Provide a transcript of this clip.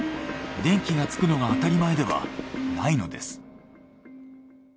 電気がつくのが当たり前ではないのです。